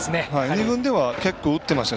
２軍では結構打ってました。